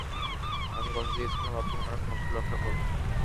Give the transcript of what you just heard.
আমি কথা দিয়েছিলাম, আপনি উনার ফসল রক্ষা করবেন।